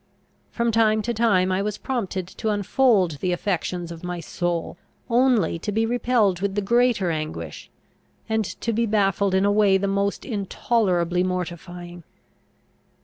From time to time I was prompted to unfold the affections of my soul, only to be repelled with the greater anguish, and to be baffled in a way the most intolerably mortifying.